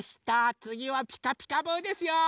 つぎは「ピカピカブ！」ですよ。